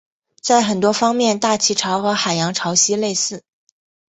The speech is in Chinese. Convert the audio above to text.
在很多方面大气潮和海洋潮汐类似。